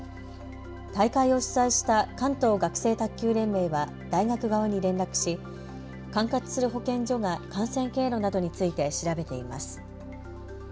大会を主催した関東学生卓球連盟は大学側に連絡し、管轄する保健所が感染経路などについて調べています。